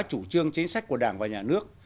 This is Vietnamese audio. chủ trương chính sách của đảng và nhà nước